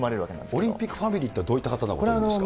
オリンピックファミリーってどういった方のことですか？